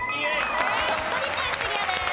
鳥取県クリアです。